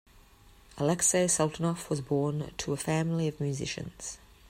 Alexei Sultanov was born to a family of musicians.